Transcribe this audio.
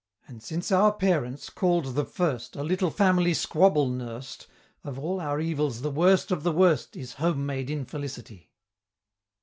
And since our Parents, call'd the First, A little family squabble nurst, Of all our evils the worst of the worst Is home made infelicity.